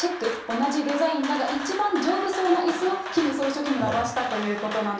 同じデザインだが、一番丈夫そうないすをキム総書記に回したということなんです。